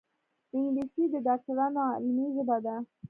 انګلیسي د ډاکټرانو علمي ژبه ده